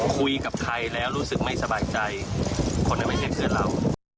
คุยกับใครแล้วรู้สึกไม่สบายใจคนนั้นไม่ใช่เพื่อนเรา